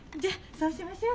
そうしましょう。